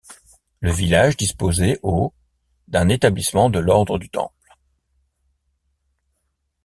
Le village disposait au d'un établissement de l'Ordre du Temple.